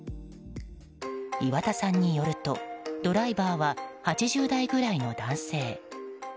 岩田さんによるとドライバーは８０代くらいの男性。